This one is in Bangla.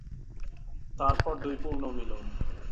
তারপর দুই পুনর্মিলন।